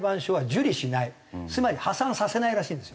つまり破産させないらしいんですよ。